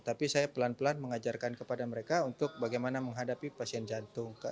tapi saya pelan pelan mengajarkan kepada mereka untuk bagaimana menghadapi pasien jantung